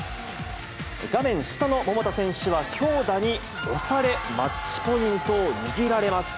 画面下の桃田選手は強打に押され、マッチポイントを握られます。